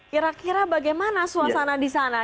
kira kira bagaimana suasana di sana